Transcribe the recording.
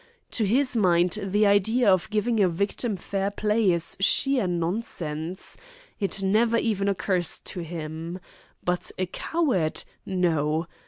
To his mind the idea of giving a victim fair play is sheer nonsense. It never even occurs to him. But a coward! no.